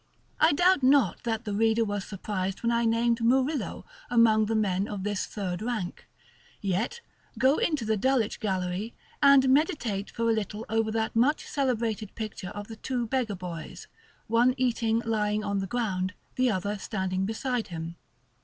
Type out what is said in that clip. I doubt not that the reader was surprised when I named Murillo among the men of this third rank. Yet, go into the Dulwich Gallery, and meditate for a little over that much celebrated picture of the two beggar boys, one eating lying on the ground, the other standing beside him.